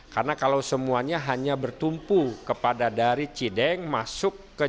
karena kalau semuanya hanya bertumpu kepada dari cideng masuk ke jakarta